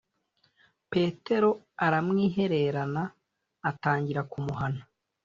Petero aramwihererana atangira kumuhana